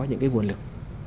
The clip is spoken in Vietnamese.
những cái nguồn lực